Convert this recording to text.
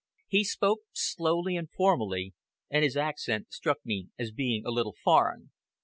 He spoke slowly and formally, and his accent struck me as being a little foreign.